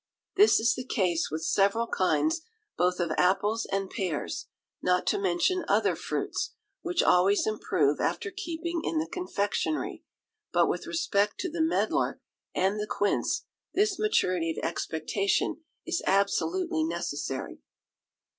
This is the case with several kinds both of apples and pears, not to mention other fruits, which always improve after keeping in the confectionery, but with respect to the medlar and the quince, this maturity of expectation is absolutely necessary.